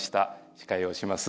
司会をします